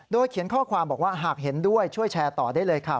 เขียนข้อความบอกว่าหากเห็นด้วยช่วยแชร์ต่อได้เลยค่ะ